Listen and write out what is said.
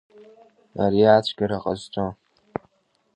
Ари ацәгьара ҟазҵо!